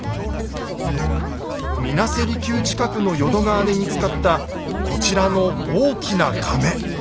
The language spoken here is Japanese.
水無瀬離宮近くの淀川で見つかったこちらの大きな甕。